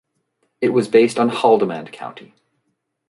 It was based on Haldimand County.